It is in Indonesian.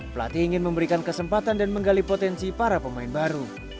pelatih ingin memberikan kesempatan dan menggali potensi para pemain baru